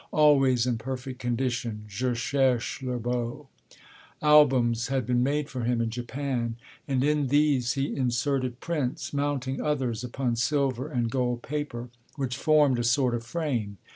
always in perfect condition (Je cherche le beau); albums had been made for him in Japan, and in these he inserted prints, mounting others upon silver and gold paper, which formed a sort of frame.